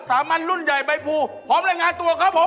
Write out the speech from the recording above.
สามัญรุ่นใหญ่ใบภูพร้อมรายงานตัวครับผม